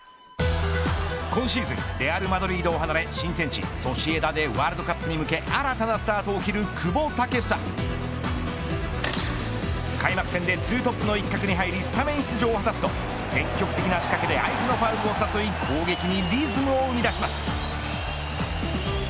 今シーズン、レアルマドリードを離れ、新天地ソシエダでワールドカップに向け新たなスタートを切る久保建英。開幕戦で２トップの一角に入りスタメン出場を果たすと積極的な仕掛けで相手のファウルを誘い攻撃にリズムを生み出します。